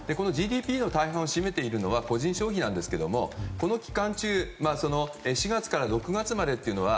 このＧＤＰの大半を占めているのが個人消費ですがこの期間中４月から６月までというのは